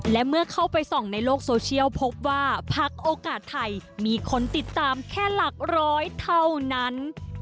และเมื่อเข้าไปส่องในโลกโซเชียลพบว่าพักโอกาสไทยมีคนติดตามแค่หลักร้อยเท่านั้น